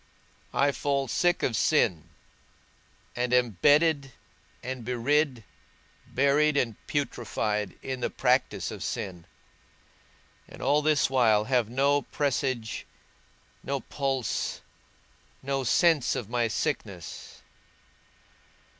I fall sick of sin, and am bedded and bedrid, buried and putrified in the practice of sin, and all this while have no presage, no pulse, no sense of my sickness.